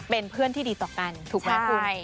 เป็นเพื่อนที่ดีต่อกันถูกไหมคุณ